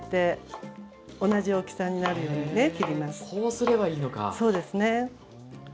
こうすればいいのか。